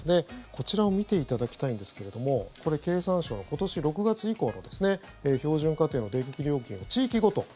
こちらを見ていただきたいんですけれどもこれ、経産省の、今年６月以降の標準家庭の電気料金の地域ごと。